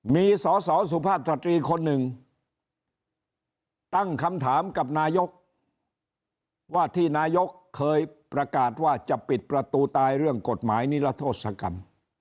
มีสอสอสุภาพสตรีคนหนึ่งตั้งคำถามกับนายกว่าที่นายกเคยประกาศว่าจะปิดประตูตายเรื่องกฎหมายนิรโทษกรรม